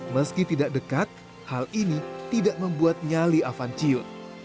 meski tidak dekat hal ini tidak membuat nyali avan ciut